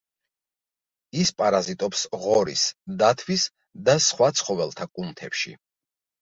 ის პარაზიტობს ღორის, დათვის და სხვა ცხოველთა კუნთებში.